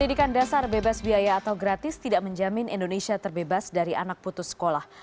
pendidikan dasar bebas biaya atau gratis tidak menjamin indonesia terbebas dari anak putus sekolah